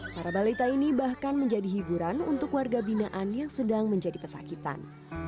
para balita ini bahkan menjadi hiburan untuk warga binaan yang sedang menjadi pesakitan